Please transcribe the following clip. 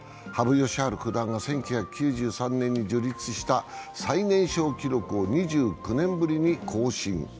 羽生善治九段が１９９３年に樹立した最年少記録を２９年ぶりに更新。